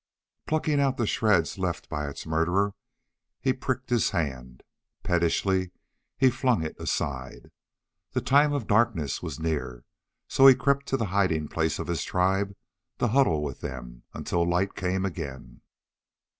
Plucking out the shreds left by its murderer, he pricked his hand. Pettishly, he flung it aside. The time of darkness was near, so he crept to the hiding place of his tribe to huddle with them until light came again.